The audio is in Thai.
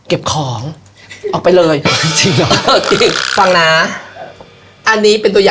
เอาเลย